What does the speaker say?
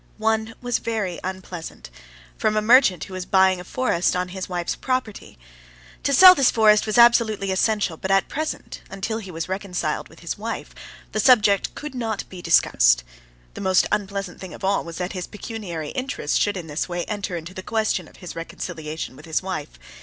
One was very unpleasant, from a merchant who was buying a forest on his wife's property. To sell this forest was absolutely essential; but at present, until he was reconciled with his wife, the subject could not be discussed. The most unpleasant thing of all was that his pecuniary interests should in this way enter into the question of his reconciliation with his wife.